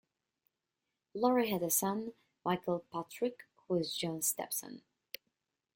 Lory had a son, Michael Patrick, who was Jones' stepson.